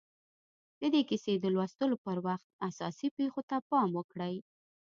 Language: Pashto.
د دې کیسې د لوستلو پر وخت اساسي پېښو ته پام وکړئ